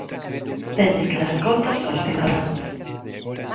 Tenlle que dar contas aos cidadáns.